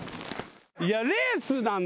いやレースなんで今。